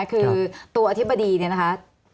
คือตัวอธิบดีเนี่ยนะคะ